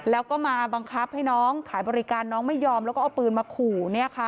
แล้วก็มาบังคับให้น้องขายบริการน้องไม่ยอมแล้วก็เอาปืนมาขู่